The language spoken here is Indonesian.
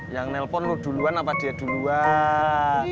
yang nelpon lo duluan apa dia duluan